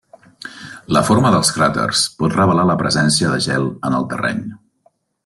La forma dels cràters pot revelar la presència de gel en el terreny.